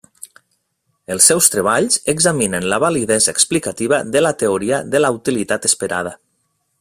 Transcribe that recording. Els seus treballs examinen la validesa explicativa de la teoria de la utilitat esperada.